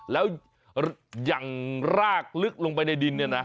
แล้วอย่างรากลึกลงไปในดินเนี่ยนะ